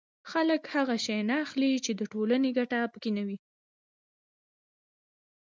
خلک هغه شی نه اخلي چې د ټولنې ګټه پکې نه وي